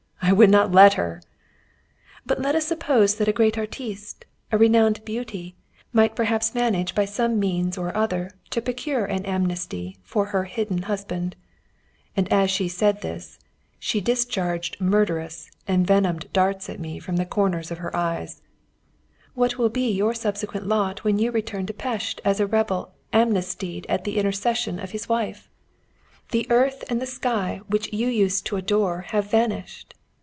"I would not let her." "But let us suppose that a great artiste, a renowned beauty, might perhaps manage by some means or other to procure an amnesty for her hidden husband" (and as she said this she discharged murderous, envenomed darts at me from the corners of her eyes), "what will be your subsequent lot when you return to Pest as a rebel amnestied at the intercession of his wife? The earth and the sky which you used to adore have vanished.